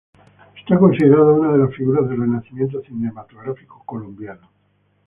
Es considerado una de las figuras del renacimiento cinematográfico colombiano.